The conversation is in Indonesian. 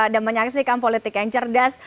dan menyaksikan politik yang cerdas